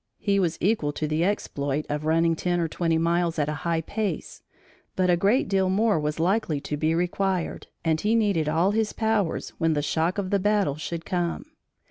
He was equal to the exploit of running ten or twenty miles at a high pace, but a great deal more was likely to be required and he needed all his powers when the shock of the battle should come.